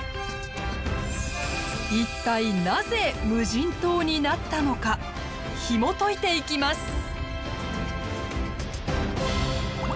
一体なぜ無人島になったのかひもといていきます。